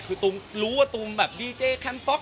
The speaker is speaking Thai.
คือตูมรู้ว่าตูมแบบดีเจแคมป๊อก